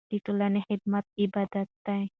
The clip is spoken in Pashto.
د ټولنې خدمت عبادت دی.